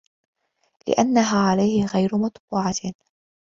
لِأَنَّهَا عَلَيْهِ غَيْرُ مَطْبُوعَةٍ